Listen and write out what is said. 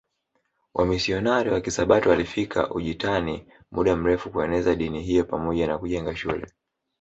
Wamisionari wa Kisabato walifika Ujitani muda mrefu kueneza dini hiyo pamoja na kujenga shule